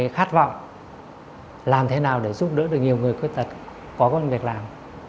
khát vọng làm thế nào để giúp đỡ được nhiều người khuyết tật có công an việc làm